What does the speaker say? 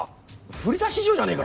振り出し以上じゃねえかよ。